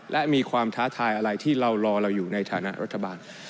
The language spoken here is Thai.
และมีความท้าทายอะไรที่เรารอเราอยู่ในฐานะรัฐบาล